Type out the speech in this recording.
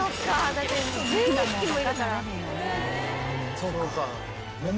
そうか。